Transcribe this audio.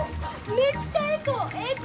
めっちゃエコ！